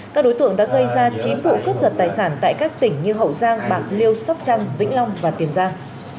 các đối tượng đã gây ra chín vụ cướp giật tài sản tại các tỉnh như hậu giang bạc liêu sóc trăng vĩnh long và tiền giang